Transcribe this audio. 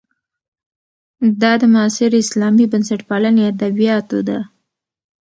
دا د معاصرې اسلامي بنسټپالنې ادبیاتو ده.